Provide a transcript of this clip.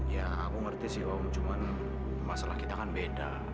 ya aku mengerti om cuma masalah kita kan beda